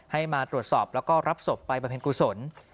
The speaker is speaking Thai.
ให้มาตรวจสอบแล้วก็รับศพไปบำเพ็ญกุศล